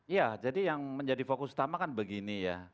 iya jadi yang menjadi fokus utama kan begini ya